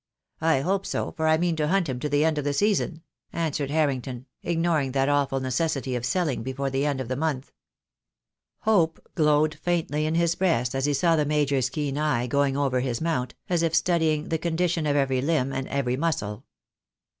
"I hope so, for I mean to hunt him to the end of the season," answered Harrington, ignoring that awful necessity of selling before the end of the month. Hope glowed faintly in his breast as he saw the Major's keen eye going over his mount, as if studying the condition of every limb and every muscle.